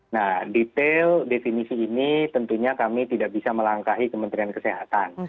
nah detail definisi ini tentunya kami tidak bisa melangkahi kementerian kesehatan